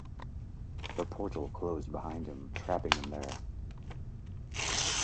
The Portal closed behind him, trapping him there.